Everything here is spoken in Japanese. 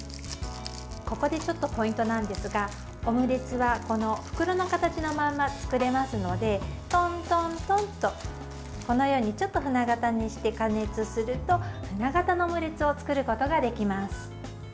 ここでちょっとポイントなんですがオムレツはこの袋の形のまま作れますので、トントントンとこのように舟形にして加熱すると舟形のオムレツを作ることができます。